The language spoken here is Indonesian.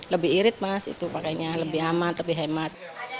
lebih irit mas itu pakainya lebih aman lebih hemat